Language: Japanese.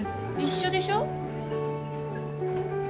一緒でしょ？